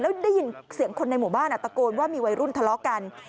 แล้วได้ยินเสียงคนในหมู่บ้านตะโกนว่ามีวัยรุ่นทะเลาะกัน